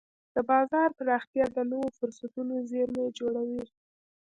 د بازار پراختیا د نوو فرصتونو زېرمې جوړوي.